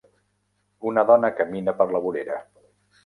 Una dona camina per la vorera